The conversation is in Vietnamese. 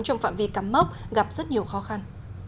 trong phạm vi cắm mốc gặp rất nhiều khó khăn